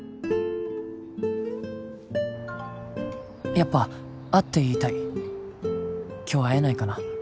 「やっぱ会って言いたい」「今日会えないかな？」